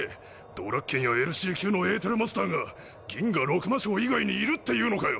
ドラッケンやエルシー級のエーテルマスターが銀河六魔将以外にいるって言うのかよ！